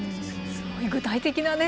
すごい具体的なね